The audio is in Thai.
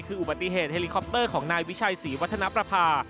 คืออุบัติเหตุเฮลิคอปเตอร์ของนายวิชัยศรีวัฒนประภา